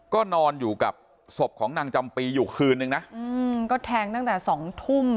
ก็นอนอยู่กับศพของนางจำปีอยู่คืนนึงนะอืมก็แทงตั้งแต่สองทุ่ม